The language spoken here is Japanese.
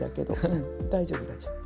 うん大丈夫大丈夫。